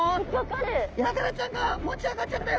ヤガラちゃんが持ち上がっちゃったよ！